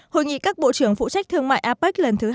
hội nghị các bộ trưởng phụ trách thương mại apec lần thứ hai mươi ba